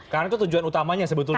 karena itu tujuan utamanya sebetulnya